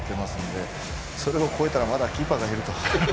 で、それを超えたらまだキーパーがいると。